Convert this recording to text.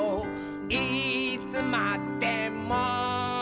いつまでも」